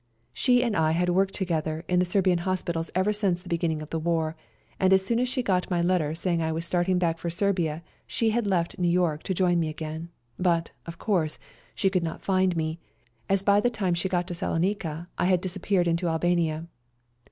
She and I had worked together in the Serbian hospitals ever since the beginning of the war, and as soon as she got my letter saying I was starting back for Serbia she had left New York to join me again, but, of course, could not find me, as by the time she got to Salonica I had disappeared into Albania.